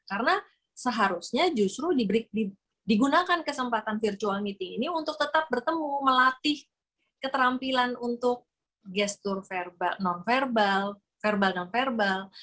karena seharusnya justru digunakan kesempatan virtual meeting ini untuk tetap bertemu melatih keterampilan untuk gestur non verbal verbal dan verbal